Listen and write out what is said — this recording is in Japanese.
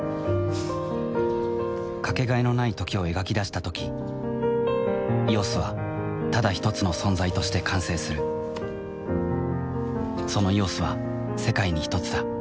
かけがえのない「時」を描き出したとき「ＥＯＳ」はただひとつの存在として完成するその「ＥＯＳ」は世界にひとつだ